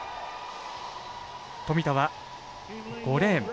富田は５レーン。